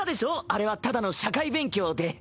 あれはただの社会勉強で。